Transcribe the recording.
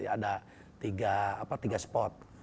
ada tiga spot